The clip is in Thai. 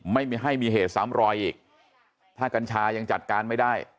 ไม่มีให้มีเหตุซ้ำรอยอีกถ้ากัญชายังจัดการไม่ได้